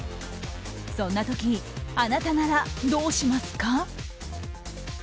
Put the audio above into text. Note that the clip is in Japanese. そんな時あなたならどうしますか？